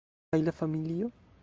Kaj la familio?